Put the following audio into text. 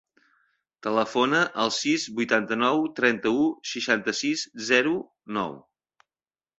Telefona al sis, vuitanta-nou, trenta-u, seixanta-sis, zero, nou.